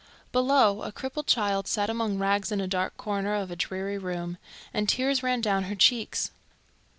Below, a crippled child sat among rags in a dark corner of a dreary room, and tears ran down her cheeks.